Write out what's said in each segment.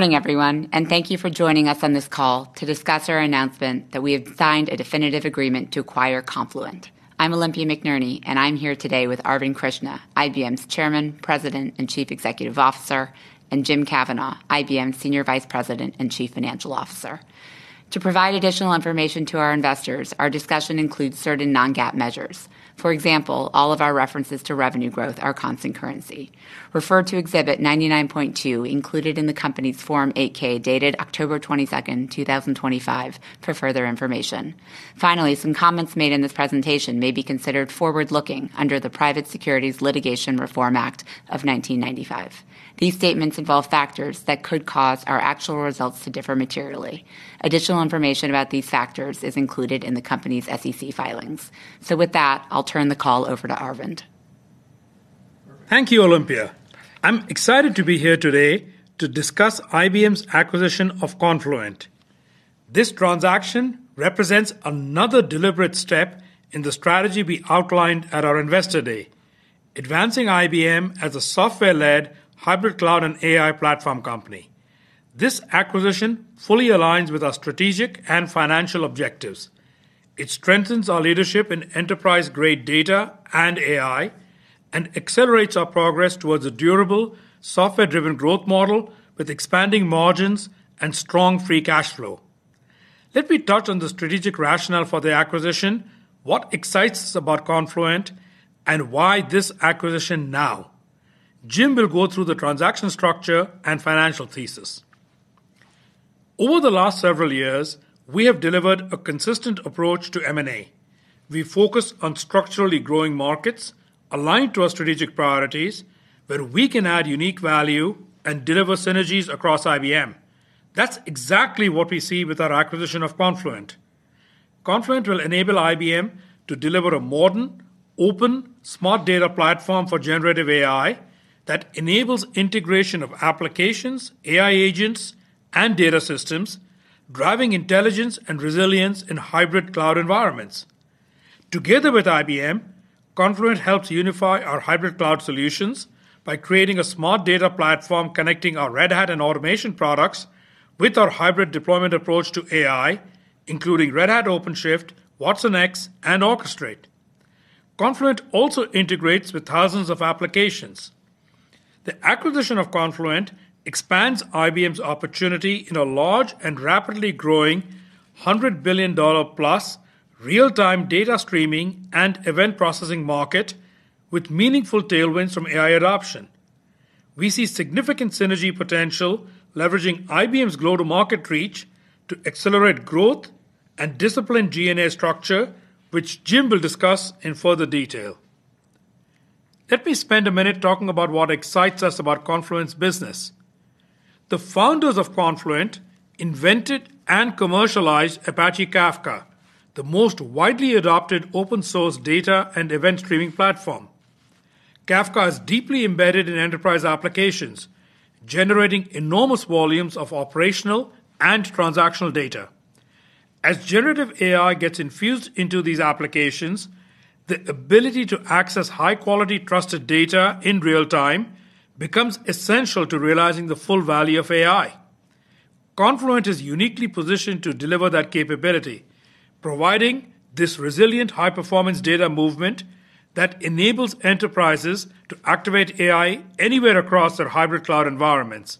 Good evening, everyone, and thank you for joining us on this call to discuss our announcement that we have signed a definitive agreement to acquire Confluent. I'm Olympia McNerney, and I'm here today with Arvind Krishna, IBM's Chairman, President, and Chief Executive Officer, and Jim Kavanaugh, IBM's Senior Vice President and Chief Financial Officer. To provide additional information to our investors, our discussion includes certain non-GAAP measures. For example, all of our references to revenue growth are constant currency. Refer to Exhibit 99.2 included in the company's Form 8-K dated October 22, 2025, for further information. Finally, some comments made in this presentation may be considered forward-looking under the Private Securities Litigation Reform Act of 1995. These statements involve factors that could cause our actual results to differ materially. Additional information about these factors is included in the company's SEC filings. So, with that, I'll turn the call over to Arvind. Thank you, Olympia. I'm excited to be here today to discuss IBM's acquisition of Confluent. This transaction represents another deliberate step in the strategy we outlined at our Investor Day, advancing IBM as a software-led hybrid cloud and AI platform company. This acquisition fully aligns with our strategic and financial objectives. It strengthens our leadership in enterprise-grade data and AI and accelerates our progress towards a durable, software-driven growth model with expanding margins and strong free cash flow. Let me touch on the strategic rationale for the acquisition, what excites us about Confluent, and why this acquisition now. Jim will go through the transaction structure and financial thesis. Over the last several years, we have delivered a consistent approach to M&A. We focus on structurally growing markets aligned to our strategic priorities, where we can add unique value and deliver synergies across IBM. That's exactly what we see with our acquisition of Confluent. Confluent will enable IBM to deliver a modern, open, smart data platform for generative AI that enables integration of applications, AI agents, and data systems, driving intelligence and resilience in hybrid cloud environments. Together with IBM, Confluent helps unify our hybrid cloud solutions by creating a smart data platform connecting our Red Hat and automation products with our hybrid deployment approach to AI, including Red Hat OpenShift, watsonx, and Orchestrate. Confluent also integrates with thousands of applications. The acquisition of Confluent expands IBM's opportunity in a large and rapidly growing $100 billion-plus real-time data streaming and event processing market, with meaningful tailwinds from AI adoption. We see significant synergy potential leveraging IBM's global market reach to accelerate growth and discipline G&A structure, which Jim will discuss in further detail. Let me spend a minute talking about what excites us about Confluent's business. The founders of Confluent invented and commercialized Apache Kafka, the most widely adopted open-source data and event streaming platform. Kafka is deeply embedded in enterprise applications, generating enormous volumes of operational and transactional data. As generative AI gets infused into these applications, the ability to access high-quality, trusted data in real time becomes essential to realizing the full value of AI. Confluent is uniquely positioned to deliver that capability, providing this resilient, high-performance data movement that enables enterprises to activate AI anywhere across their hybrid cloud environments.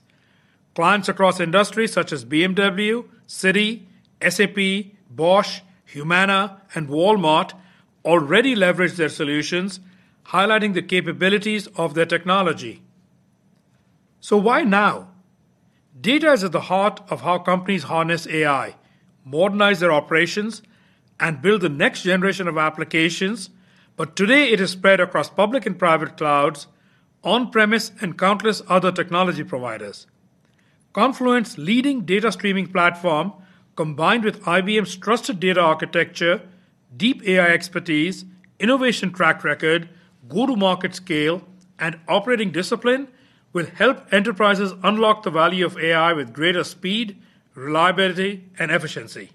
Clients across industries such as BMW, Citi, SAP, Bosch, Humana, and Walmart already leverage their solutions, highlighting the capabilities of their technology. So, why now? Data is at the heart of how companies harness AI, modernize their operations, and build the next generation of applications, but today it is spread across public and private clouds, on-premises, and countless other technology providers. Confluent's leading data streaming platform, combined with IBM's trusted data architecture, deep AI expertise, innovation track record, go-to-market scale, and operating discipline, will help enterprises unlock the value of AI with greater speed, reliability, and efficiency.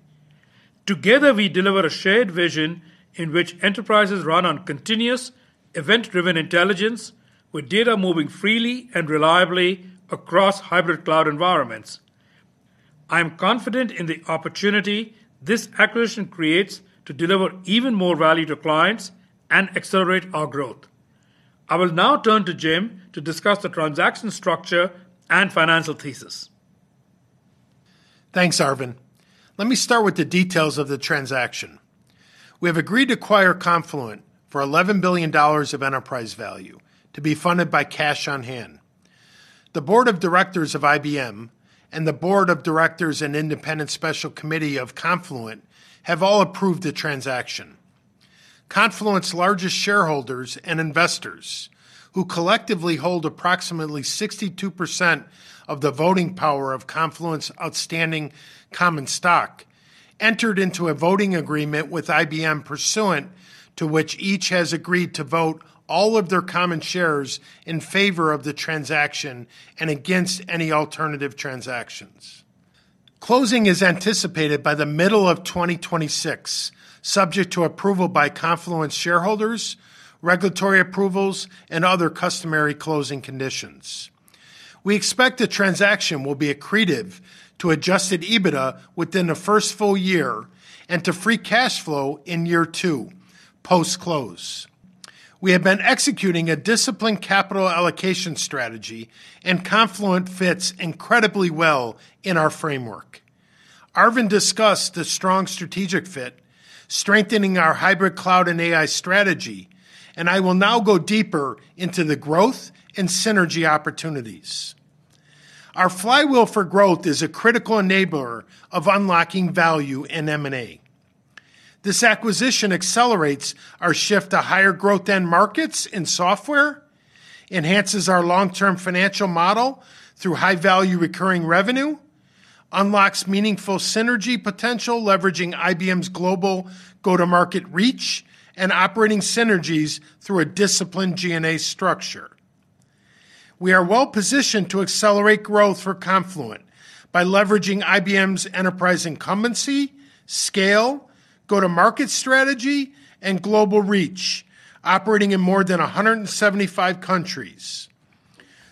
Together, we deliver a shared vision in which enterprises run on continuous, event-driven intelligence, with data moving freely and reliably across hybrid cloud environments. I am confident in the opportunity this acquisition creates to deliver even more value to clients and accelerate our growth. I will now turn to Jim to discuss the transaction structure and financial thesis. Thanks, Arvind. Let me start with the details of the transaction. We have agreed to acquire Confluent for $11 billion of enterprise value to be funded by cash on hand. The Board of Directors of IBM and the Board of Directors and Independent Special Committee of Confluent have all approved the transaction. Confluent's largest shareholders and investors, who collectively hold approximately 62% of the voting power of Confluent's outstanding common stock, entered into a voting agreement with IBM pursuant to which each has agreed to vote all of their common shares in favor of the transaction and against any alternative transactions. Closing is anticipated by the middle of 2026, subject to approval by Confluent's shareholders, regulatory approvals, and other customary closing conditions. We expect the transaction will be accretive to Adjusted EBITDA within the first full year and to free cash flow in year two post-close. We have been executing a disciplined capital allocation strategy, and Confluent fits incredibly well in our framework. Arvind discussed the strong strategic fit, strengthening our hybrid cloud and AI strategy, and I will now go deeper into the growth and synergy opportunities. Our flywheel for growth is a critical enabler of unlocking value in M&A. This acquisition accelerates our shift to higher-growth end markets in software, enhances our long-term financial model through high-value recurring revenue, unlocks meaningful synergy potential leveraging IBM's global go-to-market reach and operating synergies through a disciplined G&A structure. We are well-positioned to accelerate growth for Confluent by leveraging IBM's enterprise incumbency, scale, go-to-market strategy, and global reach, operating in more than 175 countries.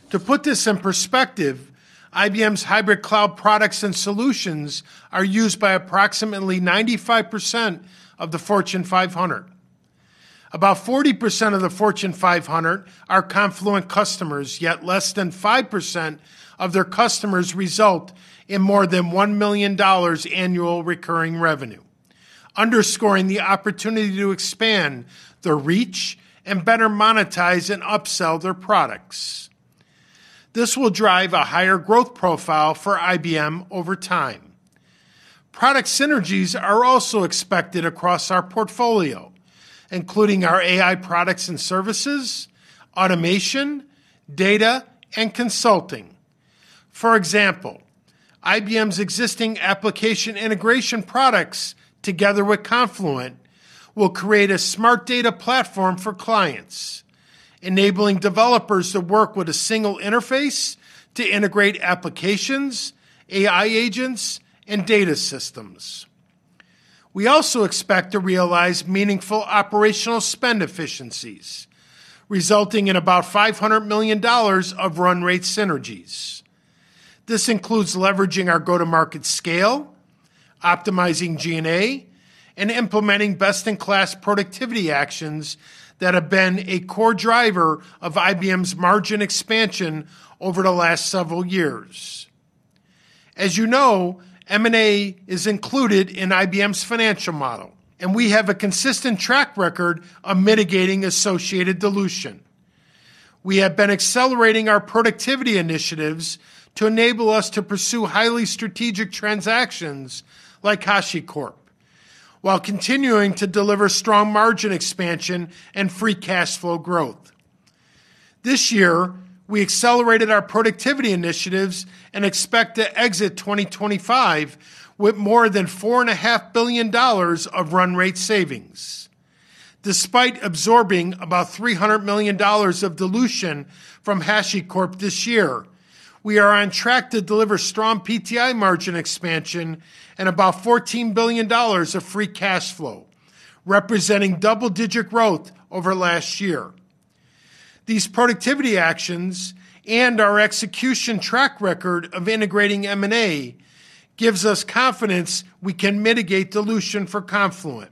To put this in perspective, IBM's hybrid cloud products and solutions are used by approximately 95% of the Fortune 500. About 40% of the Fortune 500 are Confluent customers, yet less than 5% of their customers result in more than $1 million annual recurring revenue, underscoring the opportunity to expand their reach and better monetize and upsell their products. This will drive a higher growth profile for IBM over time. Product synergies are also expected across our portfolio, including our AI products and services, automation, data, and consulting. For example, IBM's existing application integration products, together with Confluent, will create a smart data platform for clients, enabling developers to work with a single interface to integrate applications, AI agents, and data systems. We also expect to realize meaningful operational spend efficiencies, resulting in about $500 million of run-rate synergies. This includes leveraging our go-to-market scale, optimizing G&A, and implementing best-in-class productivity actions that have been a core driver of IBM's margin expansion over the last several years. As you know, M&A is included in IBM's financial model, and we have a consistent track record of mitigating associated dilution. We have been accelerating our productivity initiatives to enable us to pursue highly strategic transactions like HashiCorp, while continuing to deliver strong margin expansion and free cash flow growth. This year, we accelerated our productivity initiatives and expect to exit 2025 with more than $4.5 billion of run-rate savings. Despite absorbing about $300 million of dilution from HashiCorp this year, we are on track to deliver strong PTI margin expansion and about $14 billion of free cash flow, representing double-digit growth over last year. These productivity actions and our execution track record of integrating M&A gives us confidence we can mitigate dilution for Confluent,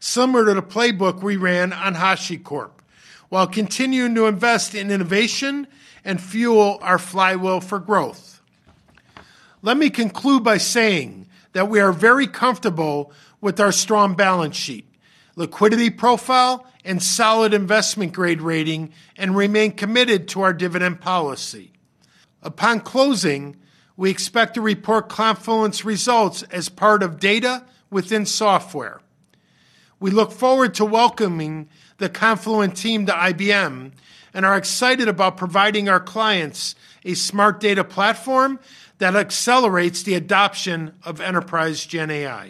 similar to the playbook we ran on HashiCorp, while continuing to invest in innovation and fuel our flywheel for growth. Let me conclude by saying that we are very comfortable with our strong balance sheet, liquidity profile, and solid investment-grade rating, and remain committed to our dividend policy. Upon closing, we expect to report Confluent's results as part of data within software. We look forward to welcoming the Confluent team to IBM and are excited about providing our clients a smart data platform that accelerates the adoption of enterprise GenAI.